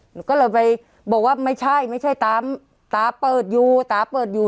หนูก็เลยไปบอกว่าไม่ใช่ไม่ใช่ตามตาเปิดอยู่ตาเปิดอยู่